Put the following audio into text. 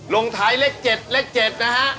ลงท้ายเลข๗เลข๗นะฮะ